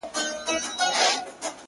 o انسان د احسان تابع دئ!